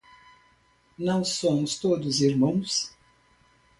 Não somos todos irmãos?